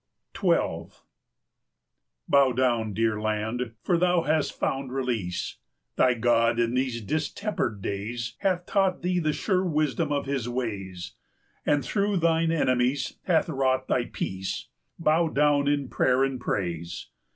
XII. Bow down, dear Land, for thou hast found release! 405 Thy God, in these distempered days, Hath taught thee the sure wisdom of His ways, And through thine enemies hath wrought thy peace! Bow down in prayer and praise!